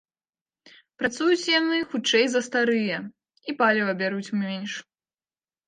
Працуюць яны хутчэй за старыя, і паліва бяруць менш.